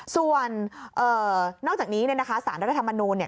ส่วนนอกจากนี้เนี่ยนะคะสารรัฐมนูเนี่ย